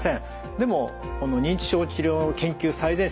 でもこの認知症治療の研究最前線